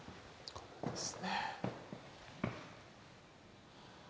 そうです。